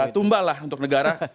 tumba lah untuk negara